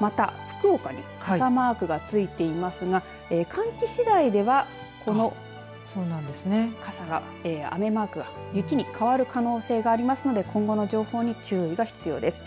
また、福岡に傘マークがついていますが寒気次第ではこの傘が、雨マークが雪に変わる可能性がありますので今後の情報に注意が必要です。